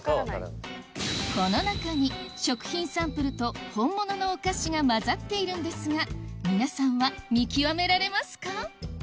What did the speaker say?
この中に食品サンプルと本物のお菓子が交ざっているんですが皆さんは見極められますか？